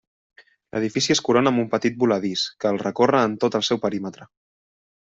L'edifici es corona amb un petit voladís que el recorre en tot el seu perímetre.